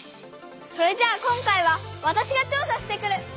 それじゃあ今回はわたしが調さしてくる！